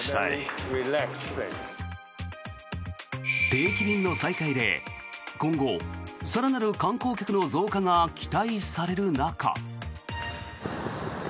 定期便の再開で今後、更なる観光客の増加が期待される中。